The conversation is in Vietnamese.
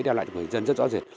đem lại cho người dân rất rõ rệt